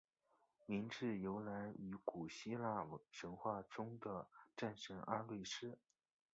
名字由来于古希腊神话中的战神阿瑞斯。